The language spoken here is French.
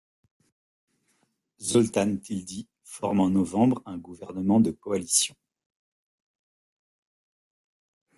Zoltán Tildy forme en novembre un gouvernement de coalition.